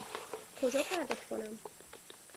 کجا پرداخت کنم؟